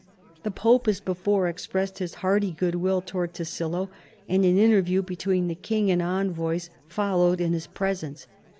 The pope, as before, expressed his heart}'^ goodwill towards Tassilo, and an inter view between king and envoys followed in his presence.